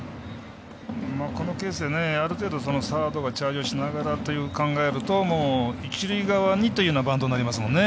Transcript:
このケースである程度サードがチャージをしながらと考えると、一塁側にといったバントになりますからね。